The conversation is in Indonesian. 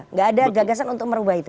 nggak ada gagasan untuk merubah itu